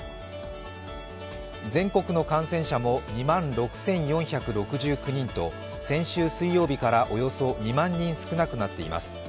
全国の感染者も２万６４６９人と先週水曜日からおよそ２万人少なくなっています。